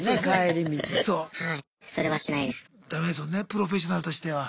プロフェッショナルとしては。